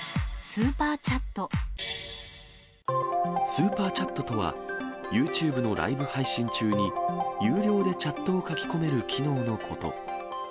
スーパーチャットとは、ユーチューブのライブ配信中に、有料でチャットを書き込める機能のこと。